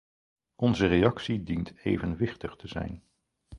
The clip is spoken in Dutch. Onze reactie dient evenwichtig te zijn.